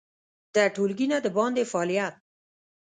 د ټولګي نه د باندې فعالیت